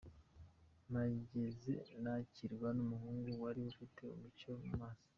Mpageze nakirwa n’umuhungu wari ufite umucyo ku maso.